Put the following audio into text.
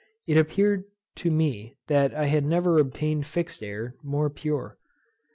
It appeared to me that I had never obtained fixed air more pure.